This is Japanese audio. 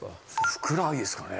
ふくらはぎですかね。